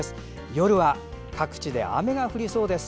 夜は各地で雨が降りそうです。